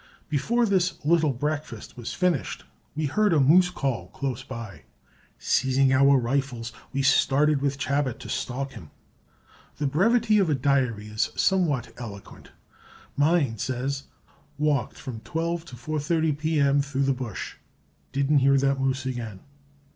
Before this "little breakfast" was finished we heard a moose call close by. Seizing our rifles, we started with Chabot to stalk him. The brevity of a diary is sometimes eloquent. Mine says, "Walked from 12 M. to 4.30 P. M. through the bush. Didn't hear that moose again."